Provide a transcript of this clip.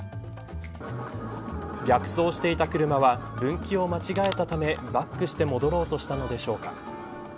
逆走していた車は分岐を間違えたためバックして戻ろうとしたのでしょうか。